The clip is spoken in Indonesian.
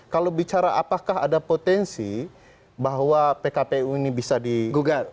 kalau bicara apakah ada potensi bahwa pkpu ini bisa digugat